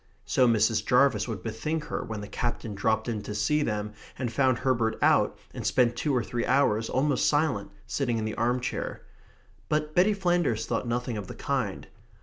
so Mrs. Jarvis would bethink her when the Captain dropped in to see them and found Herbert out, and spent two or three hours, almost silent, sitting in the arm chair. But Betty Flanders thought nothing of the kind.